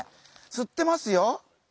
吸ってますよ。